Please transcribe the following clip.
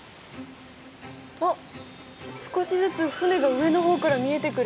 あっ少しずつ船が上の方から見えてくる。